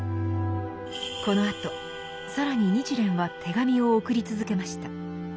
このあと更に日蓮は手紙を送り続けました。